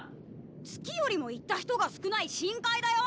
月よりも行った人が少ない深海だよ！